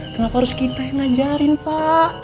kenapa harus kita yang ngajarin pak